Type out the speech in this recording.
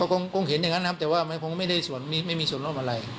คงเห็นอย่างนั้นนะครับแต่ว่ามันคงไม่ได้ส่วนไม่มีส่วนร่วมอะไร